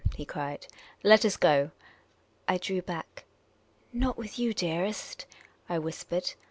" he cried. " L,et us go." I drew back. " Not with you, dearest," I whisoered.